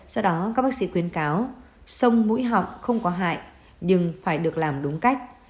sau đó các bác sĩ khuyến cáo sông mũi họng không có hại nhưng phải được làm đúng cách